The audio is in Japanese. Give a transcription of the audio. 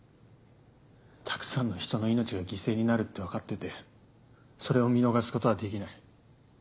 たくさんの人の命が犠牲になるって分かっててそれを見逃すことはできない。